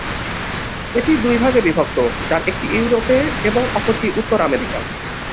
এটি দুটি ভাগে বিভক্ত, যার একটি ইউরোপে এবং অপরটি উত্তর আমেরিকায়।